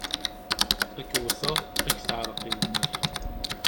Ad k-wwteɣ, ad ak-teεreq yemma-k!